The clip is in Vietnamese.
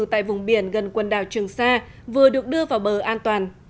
tại vùng biển gần quần đảo trường sa vừa được đưa vào bờ an toàn